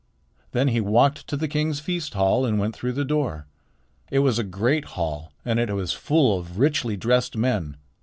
Then he walked to the king's feast hall and went through the door. It was a great hall, and it was full of richly dressed men.